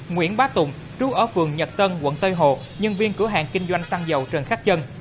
nguyễn bá tùng trú ở phường nhật tân quận tây hồ nhân viên cửa hàng kinh doanh xăng dầu trần khắc chân